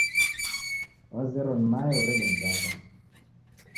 Wazerwa ni mae urede mzata.